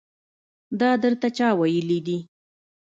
دا درته چا ويلي دي.